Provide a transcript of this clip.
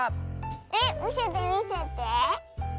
えっみせてみせて。